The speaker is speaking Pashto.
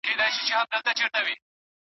د موبایل سکرین ته یې په ځیر وکتل.